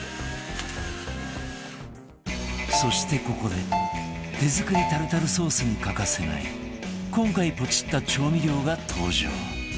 そしてここで手作りタルタルソースに欠かせない今回ポチった調味料が登場